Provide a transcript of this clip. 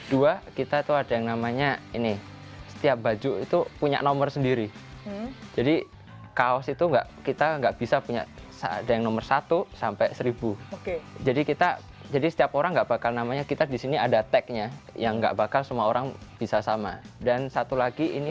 dua kita tuh ada yang namanya ini setiap baju itu punya nomor sendiri jadi kaos itu enggak kita enggak bisa punya ada yang nomor satu sampai seribu oke jadi kita jadi setiap orang enggak bakal namanya kita disini ada teknya yang enggak bakal semua orang bisa sama dan satu lagi ini